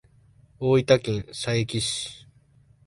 大分県佐伯市